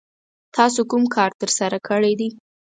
تاسو کوم کار ترسره کړی دی؟